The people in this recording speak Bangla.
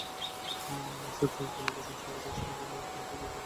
বাসার টেলিভিশন, সোফাসেট, স্বামীর জন্য মোটরবাইক নিজের টাকায় কিনে দিতে হয়।